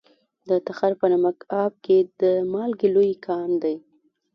د تخار په نمک اب کې د مالګې لوی کان دی.